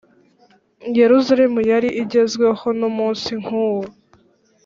yerusalemu yari igezweho n’umunsi nk’uwo